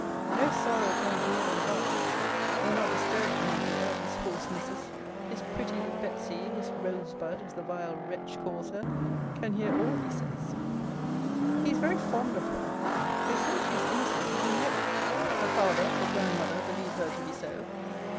No sorrow comes near their hearts. Be not disturbed, my dear, at his hoarsenesses! his pretty, Betsey, his Rosebud, as the vile wretch calls her, can hear all he says. He is very fond of her. They say she is innocent even yet her father, her grandmother, believe her to be so.